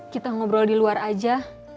kita ngobrol di luar aja